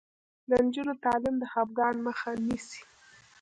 د نجونو تعلیم د خپګان مخه نیسي.